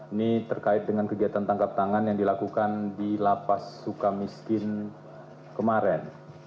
ini terkait dengan kegiatan tangkap tangan yang dilakukan di lapas suka miskin kemarin